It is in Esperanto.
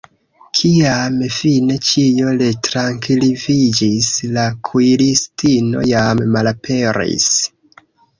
Kiam fine ĉio retrankviliĝis, la kuiristino jam malaperis.